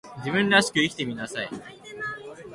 自分らしく生きてみなさい